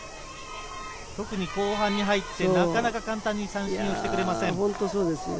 特に後半に入ってなかなか簡単に三振をしてくれません。